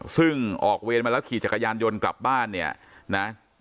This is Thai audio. ซึ่งออกเวรมาแล้วขี่จักรยานยนต์กลับบ้านเนี่ยนะ